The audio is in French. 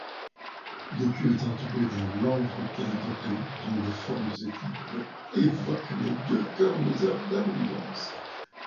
L’écu est entouré d’un lambrequin doré dont les formes évoquent deux cornes d’abondance.